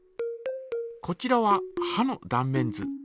こちらははの断面図。